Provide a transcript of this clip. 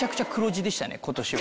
今年は。